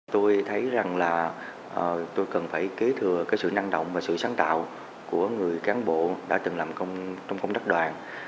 tôi thấy rằng là tôi cần phải kế thừa cái sự năng động và sự sáng tạo của người cán bộ đã từng làm trong công tác đoàn